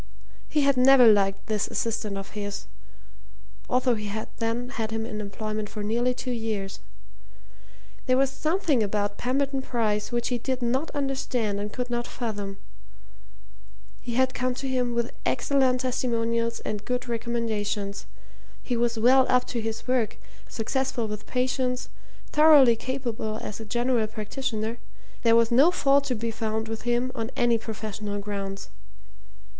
He had never liked this assistant of his, although he had then had him in employment for nearly two years. There was something about Pemberton Bryce which he did not understand and could not fathom. He had come to him with excellent testimonials and good recommendations; he was well up to his work, successful with patients, thoroughly capable as a general practitioner there was no fault to be found with him on any professional grounds.